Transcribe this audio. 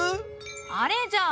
あれじゃ。